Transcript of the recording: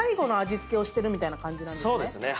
そうですね。